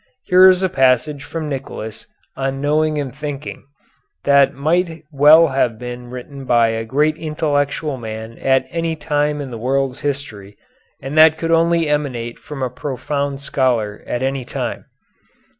Here is a passage from Nicholas, on knowing and thinking, that might well have been written by a great intellectual man at any time in the world's history, and that could only emanate from a profound scholar at any time.